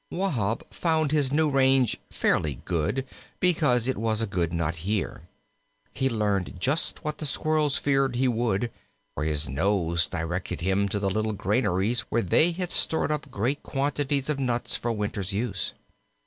Wahb found his new range fairly good, because it was a good nut year. He learned just what the Squirrels feared he would, for his nose directed him to the little granaries where they had stored up great quantities of nuts for winter's use.